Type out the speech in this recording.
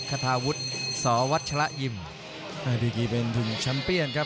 คาทาวุฒิสวัชละยิมอ่าดีกีเป็นถุงแชมป์เปียนครับ